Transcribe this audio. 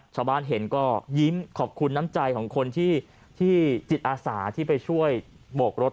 ชาวบ้านเห็นก็ยิ้มขอบคุณน้ำใจของคนที่จิตอาสาที่ไปช่วยโบกรถ